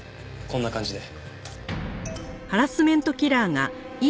こんな感じで。